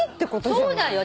そうだよ